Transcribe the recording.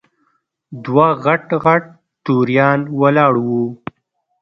دوه غټ غټ توریان ولاړ وو.